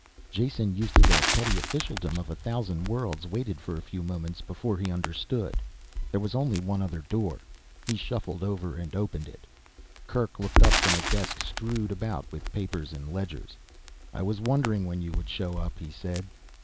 Jason, used to the petty officialdom of a thousand worlds, waited for a few moments before he understood. There was only one other door. He shuffled over and opened it. Kerk looked up from a desk strewed about with papers and ledgers. "I was wondering when you would show up," he said.